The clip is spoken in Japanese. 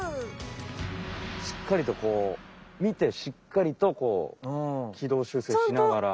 しっかりとこう見てしっかりとこう軌道修正しながら。